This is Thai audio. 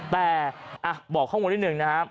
แต่บอกข้างบนนิดนึงนะครับ